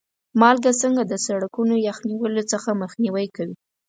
مالګه څنګه د سړکونو یخ نیولو څخه مخنیوی کوي؟